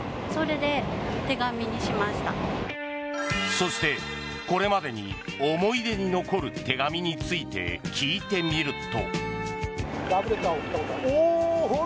そして、これまでに思い出に残る手紙について聞いてみると。